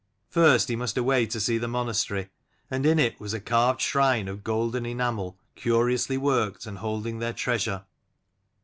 First he must away to see the monastery: and in it was a carved shrine of gold and enamel, curiously worked, and holding their treasure.